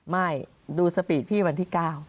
ไม่ดูสปีดพี่วันที่๙